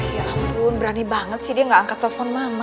ya ampun berani banget sih dia nggak angkat telepon mama